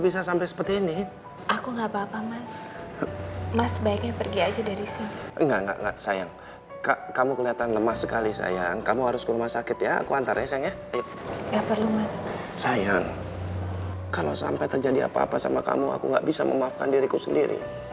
kalau sampai terjadi apa apa sama kamu aku nggak bisa memaafkan diriku sendiri